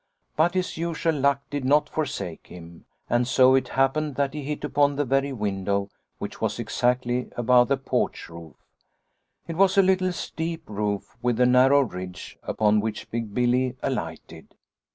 " But his usual luck did not forsake him, and so it happened that he hit upon the very Snow White 69 window which was exactly above the porch roof. " It was a little, steep roof with a narrow ridge upon which Big Billy alighted.